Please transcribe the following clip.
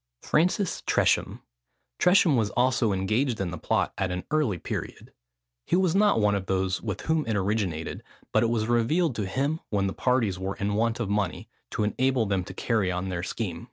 FRANCIS TRESHAM. Tresham was also engaged in the plot at an early period. He was not one of those with whom it originated; but it was revealed to him when the parties were in want of money, to enable them to carry on their scheme.